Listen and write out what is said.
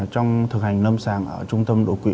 trong thực hành lâm sàng ở trung tâm đột quỵ